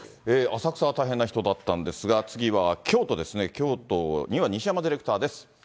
浅草は大変な人だったんですが、次は京都ですね、京都には西山ディレクターです。